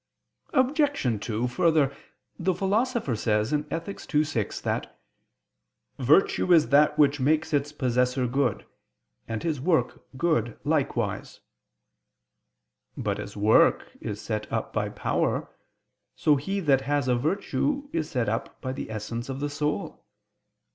Obj. 2: Further, the Philosopher says (Ethic. ii, 6) that "virtue is that which makes its possessor good, and his work good likewise." But as work is set up by power, so he that has a virtue is set up by the essence of the soul.